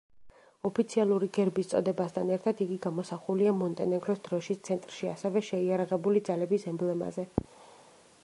ოფიციალური გერბის წოდებასთან ერთად იგი გამოსახულია მონტენეგროს დროშის ცენტრში, ასევე შეიარაღებული ძალების ემბლემაზე.